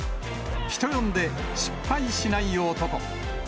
人呼んで、失敗しない男。